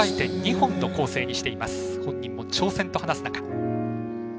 本人も挑戦と話す中。